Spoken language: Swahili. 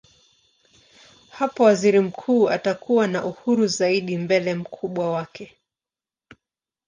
Hapo waziri mkuu atakuwa na uhuru zaidi mbele mkubwa wake.